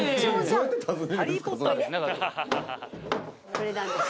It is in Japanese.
これなんです。